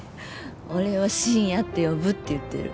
俺は深夜って呼ぶって言ってる。